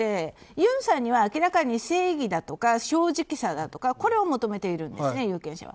ユンさんには、明らかに正義だとか正直さだとかこれを求めているんです有権者は。